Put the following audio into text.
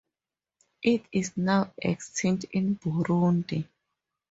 It is now extinct in Burundi.